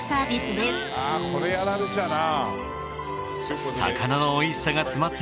これやられちゃな。